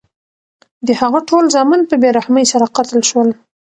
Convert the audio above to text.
د هغه ټول زامن په بې رحمۍ سره قتل شول.